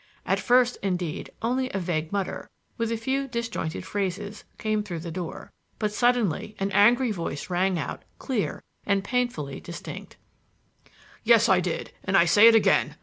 At first, indeed, only a vague mutter, with a few disjointed phrases, came through the door, but suddenly an angry voice rang out clear and painfully distinct. "Yes, I did! And I say it again.